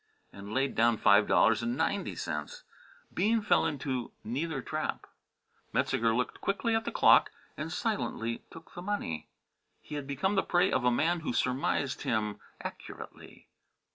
and laid down five dollars and ninety cents. Bean fell into neither trap. Metzeger looked quickly at the clock and silently took the money. He had become the prey of a man who surmised him accurately.